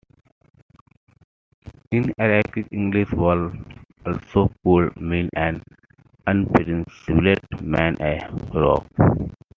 In archaic English, "varlet" also could mean an unprincipled man; a rogue.